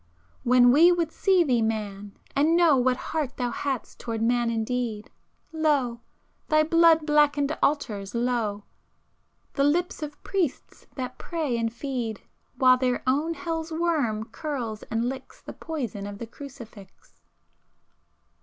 When we would see thee man, and know What heart thou had'st towards man indeed, Lo, thy blood blackened altars; lo, The lips of priests that pray and feed, While their own hell's worm curls and licks The poison of the crucifix.